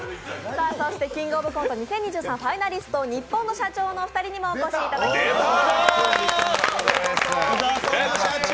「キングオブコント２０２３」ファイナリスト、ニッポンの社長のお二人にもお越しいただきました。